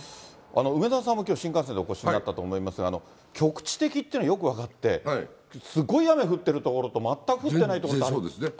梅沢さんもきょう、新幹線でお越しになったと思いますが、局地的っていうのはよく分かって、すごい雨降っている所と、全く降ってない所とありましたね。